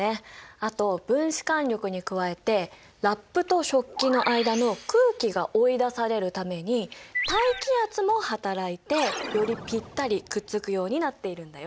あと分子間力に加えてラップと食器の間の空気が追い出されるために大気圧もはたらいてよりぴったりくっつくようになっているんだよ。